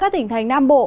các tỉnh thành nam bộ